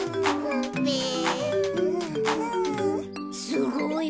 すごい。